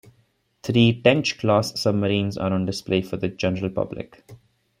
Three "Tench"-class submarines are on display for the general public.